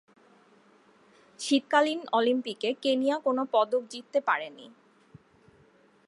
শীতকালীন অলিম্পিকে কেনিয়া কোন পদক জিততে পারেনি।